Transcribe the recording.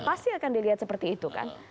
pasti akan dilihat seperti itu kan